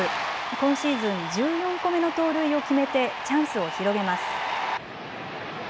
今シーズン１４個目の盗塁を決めてチャンスを広げます。